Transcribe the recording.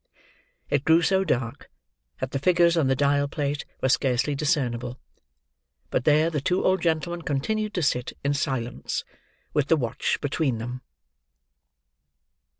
It grew so dark, that the figures on the dial plate were scarcely discernible; but there the two old gentlemen continued to sit, in silence, with the watch between them.